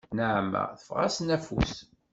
Nneɛma teffeɣ-asen afus.